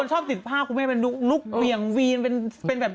หรอเลือกคันหน้าครับ